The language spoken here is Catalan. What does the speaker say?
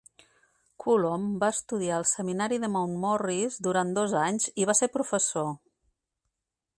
Cullom va estudiar al seminari de Mount Morris durant dos anys i va ser professor.